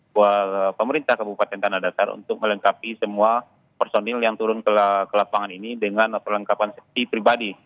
dan pemerintah kabupaten tanah datar untuk melengkapi semua personil yang turun ke lapangan ini dengan perlengkapan sepsi pribadi